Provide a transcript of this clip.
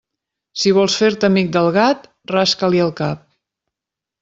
Si vols fer-te amic del gat, rasca-li el cap.